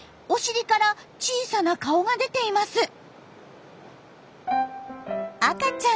お尻から小さな顔が出ています。